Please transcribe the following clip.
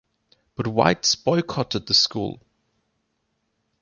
But whites boycotted the school.